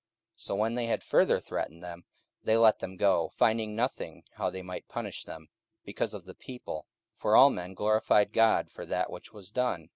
44:004:021 So when they had further threatened them, they let them go, finding nothing how they might punish them, because of the people: for all men glorified God for that which was done.